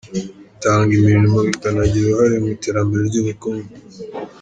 Bitanga imirimo bikanagira uruhare mu iterambere ry’ubukungu.